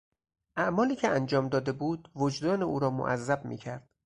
اعمالی که انجام داده بود وجدان او را معذب میکرد.